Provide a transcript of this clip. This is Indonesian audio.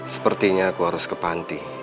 sepertinya aku harus ke panti